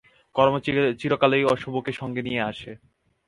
কর্ম চিরকালই অশুভকে সঙ্গে নিয়ে আসে।